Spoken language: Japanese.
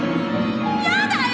やだよ！